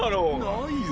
ないよ！